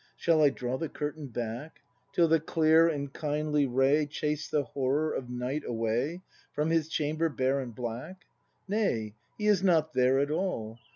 ] Shall I draw the curtain back. Till the clear and kindly ray Chase the horror of night away From his chamber bare and black? Nay, he is not there at all.